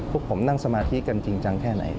พวกผมนั่งสมาธิกันจริงจังแค่ไหน